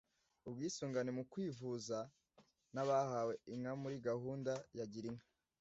ubwisungane mu kwivuza n’abahawe inka muri gahunda ya Girinka